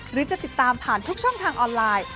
หรือจะติดตามผ่านทุกช่องทางออนไลน์